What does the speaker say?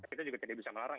kita juga tidak bisa melarang